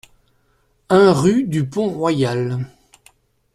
un rue du Pont Royal